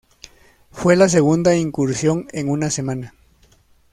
Fue la segunda incursión en una semana.